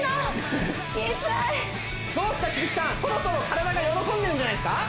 そろそろ体が喜んでるんじゃないすか？